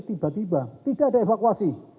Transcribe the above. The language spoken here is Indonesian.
tiba tiba tidak ada evakuasi